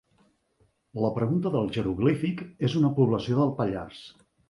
La pregunta del jeroglífic és una població del Pallars.